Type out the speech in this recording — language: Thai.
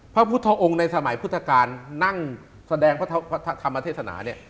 พระพุทธองค์ในสมัยพุทธการนั่งแสดงธรรมเทศนา